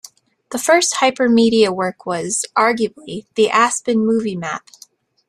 The first hypermedia work was, arguably, the Aspen Movie Map.